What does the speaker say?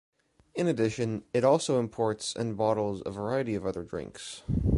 In addition, it also imports and bottles a variety of other drinks.